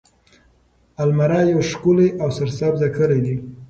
المره يو ښکلی او سرسبزه کلی دی.